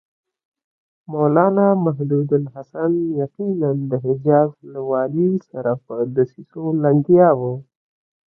مولنا محمودالحسن یقیناً د حجاز له والي سره په دسیسو لګیا و.